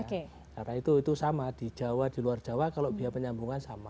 karena itu sama di jawa di luar jawa kalau biaya penyambungan sama